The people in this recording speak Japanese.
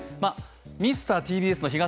ミスターＴＢＳの日傘